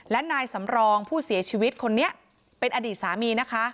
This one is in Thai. และนายสำรองผู้เสียชีวิตคนนี้เป็นอดีตสามีนะคะ